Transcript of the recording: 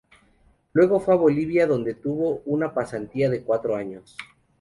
Luego fue a Bolivia donde tuvo una pasantía de cuatro años.